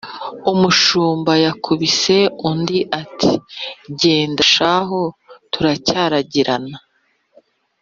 Umushumba yakubise undi ati: genda shahu turacyaragiranye.